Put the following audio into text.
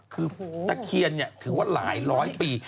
คือตะเคียนถือว่าหลายร้อยปี